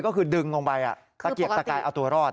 ก็คือดึงลงไปตะเกียกตะกายเอาตัวรอด